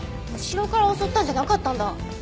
後ろから襲ったんじゃなかったんだ。